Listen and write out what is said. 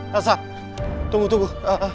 nasa tunggu tunggu